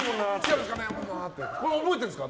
これは覚えてるんですか？